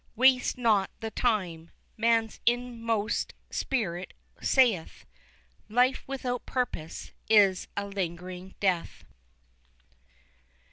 Waste not the time; man's inmost spirit saith "Life without purpose is a lingering death."